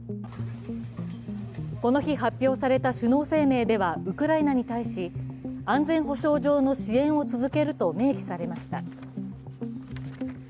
この日、発表された首脳声明ではウクライナに対し、安全保障上の支援を続けると明記されました。